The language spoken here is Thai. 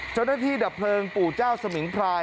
เจ้าหน้าที่ดับเพลิงปู่เจ้าสมิงพลาย